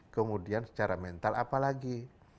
kemudian secara mental apalagi